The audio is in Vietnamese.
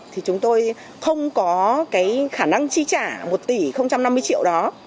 thì chúng tôi không có cái khả năng trí trả một tỷ không trăm năm mươi triệu đó